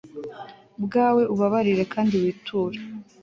bwawe ubabarire kandi witure